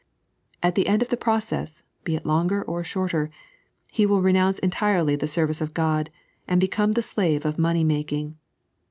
At the end of the process, be it longer or shorter, he will renounce entirely the service of God, and become the slave of money making.